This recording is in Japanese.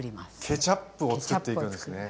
ケチャップをつくっていくんですね。